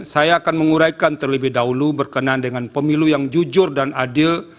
saya akan menguraikan terlebih dahulu berkenaan dengan pemilu yang jujur dan adil